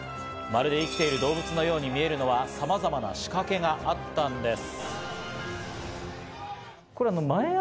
まるで生きている動物のように見えるのはさまざまな仕掛けがあったんです。